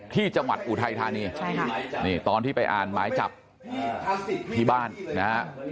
ที่จังหวัดอุทัยธานีตอนที่ไปอ่านไม้จับปีบ้านนะ